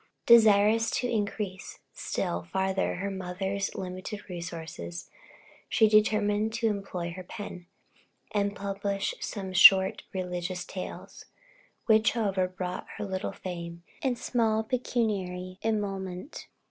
Desirous to increase still farther her mother's limited resources, she determined to employ her pen; and published some short religious tales, which, however, brought her little fame, and small pecuniary emolument.